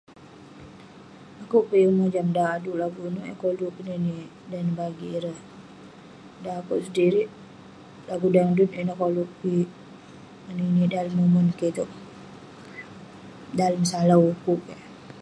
Akouk peh yeng mojam dauk aduk lagu inouk yah koluk keninik dan neh bagik ireh. Dan akouk sedirik, lagu dangdut ineh koluk kik ngeninik dalem umon kik touk, dalem salau ukuk kek.